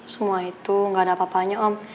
semua itu gak ada apa apanya om